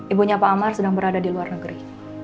ibunya pak amar sedang berada di luar negeri